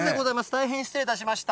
大変失礼いたしました。